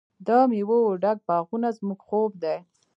د میوو ډک باغونه زموږ خوب دی.